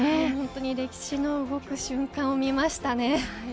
歴史の動く瞬間を見ましたね。